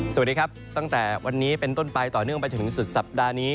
สวัสดีครับตั้งแต่วันนี้เป็นต้นไปต่อเนื่องไปจนถึงสุดสัปดาห์นี้